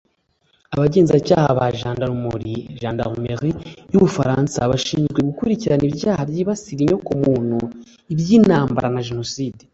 abagenzacayaha ba jandarumori (gendarmerie) y’u Bufaransa bashinzwe gukurikirana ibyaha byibasira inyokomuntu iby’intambara na Jenoside